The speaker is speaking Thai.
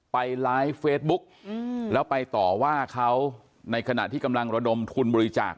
ไปไลฟ์เฟซบุ๊กแล้วไปต่อว่าเขาในขณะที่กำลังระดมทุนบริจาค